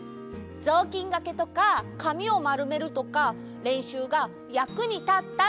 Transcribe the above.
ぞうきんがけとかかみをまるめるとかれんしゅうがやくにたったってことかな！